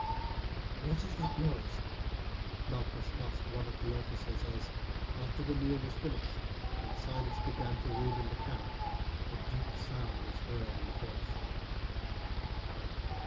"What is that noise?" Malchus asked one of the officers as, after the meal was finished and silence began to reign in the camp, a deep sound was heard in the forest.